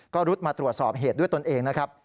ก็รุดมาตรวจสอบเหตุด้วยตนเองนะครับ